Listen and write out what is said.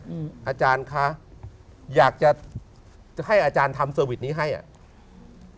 อาจารย์คะอยากจะจะให้อาจารย์ทำเซอร์วิสนี้ให้อ่ะ